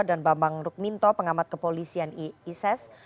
dan bambang rukminto pengamat kepolisian isis